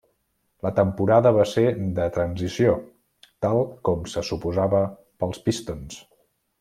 La temporada va ser de transició, tal com se suposava pels Pistons.